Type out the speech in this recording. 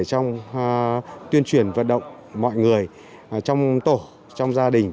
trong tuyên truyền vận động mọi người trong tổ trong gia đình